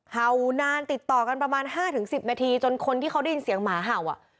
เห่านานติดต่อกันประมาณ๕๑๐นาทีจนคนที่เขาได้ยินเสียงหมาเห่าอ่ะ